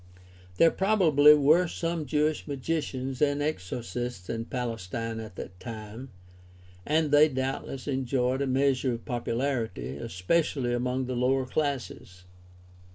There probably were some Jewish magicians and exorcists in Palestine at that time, and they doubtless enjoyed a measure of popularity, especially among the lower classes.